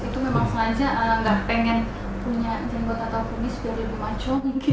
itu memang sengaja nggak pengen punya jembat atau kumis biar lebih maco mungkin